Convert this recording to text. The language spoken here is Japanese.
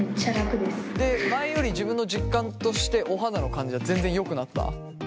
前より自分の実感としてお肌の感じが全然よくなった？